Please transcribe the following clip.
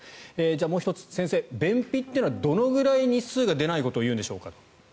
じゃあ、もう１つ先生、便秘というのはどれくらい日数が出ないことを言うんでしょうか？